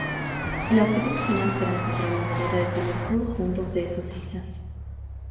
El objetivo final será encontrar la manera de salir todos juntos de esas islas.